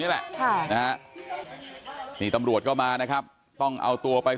นี่แหละค่ะนะฮะนี่ตำรวจก็มานะครับต้องเอาตัวไป